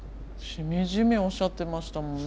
しみじみおっしゃってましたもんね